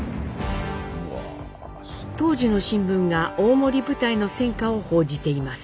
当時の新聞が大森部隊の戦果を報じています。